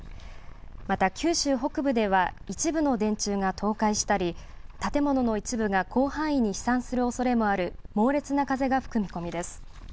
また九州北部では一部の電柱が倒壊したり建物の一部が広範囲に飛散するおそれもある猛烈な風が吹く見込みです。